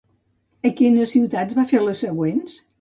A quines ciutats va fer les següents?